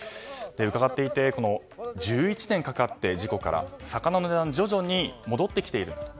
伺っていて事故から１１年かかって魚の値段は徐々に戻ってきていると。